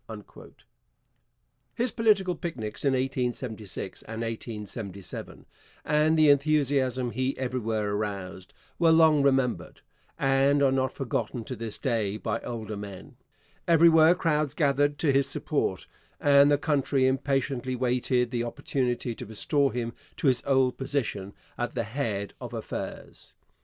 His political picnics in 1876 and 1877, and the enthusiasm he everywhere aroused, were long remembered, and are not forgotten to this day by older men. Everywhere crowds gathered to his support, and the country impatiently waited the opportunity to restore him to his old position at the head of affairs.